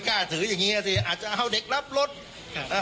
กล้าถืออย่างงี้อ่ะสิอาจจะเอาเด็กรับรถครับอ่า